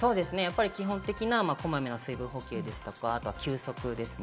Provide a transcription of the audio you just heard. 基本的なこまめな水分補給や休息ですね。